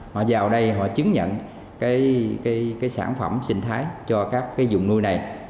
họ vào đây chứng nhận sản phẩm sinh thái cho các vùng nuôi này